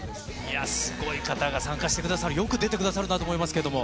すごい方が参加してくださる、よく出てくださるなと思いますけれども。